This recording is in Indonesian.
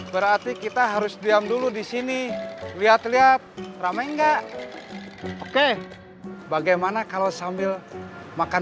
berarti kita harus diam dulu di sini lihat lihat ramai enggak oke bagaimana kalau sambil makan